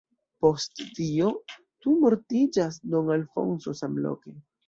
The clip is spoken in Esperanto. Post tio tuj mortiĝas don Alfonso samloke.